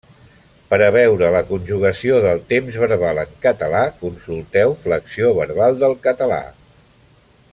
Per a veure la conjugació del temps verbal en català, consulteu Flexió verbal del català.